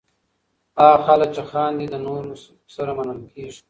هغه خلک چې خاندي، له نورو سره منل کېږي.